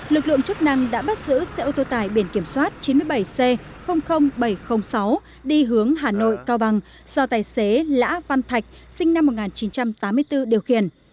lực lượng chức năng đã bắt giữ xe ô tô tải biển kiểm soát chín mươi bảy c bảy trăm linh sáu đi hướng hà nội cao bằng do tài xế lã văn thạch sinh năm một nghìn chín trăm tám mươi bốn điều khiển